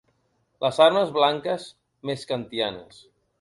Les armes blanques més kantianes.